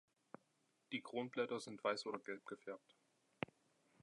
Die Kronblätter sind weiß oder gelb gefärbt.